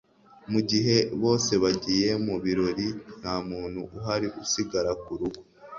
mugihe bose bagiye mubirori nta muntu uhari usigara ku rugo